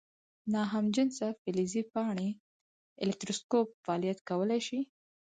ناهمجنسه فلزي پاڼې الکتروسکوپ فعالیت کولی شي؟